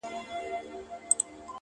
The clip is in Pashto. چي شال يې لوند سي د شړۍ مهتاجه سينه.